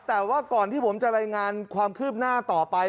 แต่ว่าก่อนที่ผมจะรายงานความคืบหน้าต่อไป